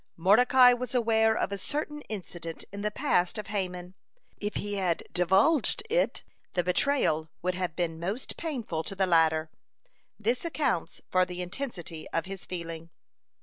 Mordecai was aware of a certain incident in the past of Haman. If he had divulged it, the betrayal would have been most painful to the latter. This accounts for the intensity of his feeling.